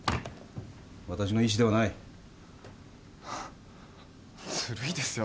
私の意志ではないズルイですよ